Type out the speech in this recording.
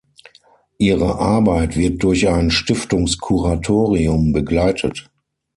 Ihre Arbeit wird durch ein Stiftungskuratorium begleitet.